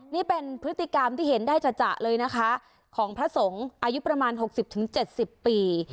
นี่เป็นพฤติกรรมที่เห็นได้จัดเลยนะคะของพระสงฆ์อายุประมาณ๖๐๗๐ปี